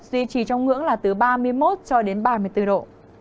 duy trì trong ngưỡng là từ ba mươi một cho đến ba mươi bốn độ